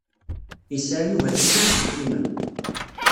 Yesɛa Yuba tlata iselkimen.